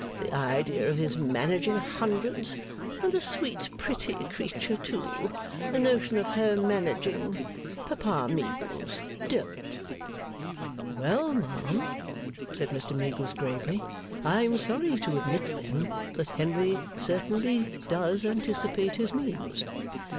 The idea of his managing hundreds! And the sweet pretty creature too. The notion of her managing! Papa Meagles! Don't!' 'Well, ma'am,' said Mr Meagles, gravely, 'I am sorry to admit, then, that Henry certainly does anticipate his means.